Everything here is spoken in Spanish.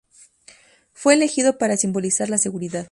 Fue elegido para simbolizar la seguridad.